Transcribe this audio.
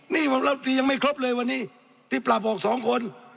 นี่รัฐตรียังไม่ครบเลยวันนี้ที่ปรับออกสองคน